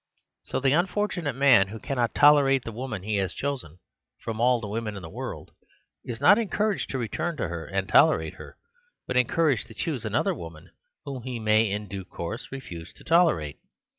So the unfortunate man, who cannot tolerate the woman he has chosen from all the women in the world, is not encouraged to return to her and tolerate her, but encouraged to choose another woman whom he may in due course refuse to tolerate.